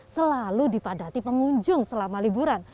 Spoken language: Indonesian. selalu dipadati pengunjung selama liburan